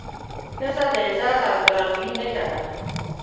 ښځه د عزت او درناوي نښه ده.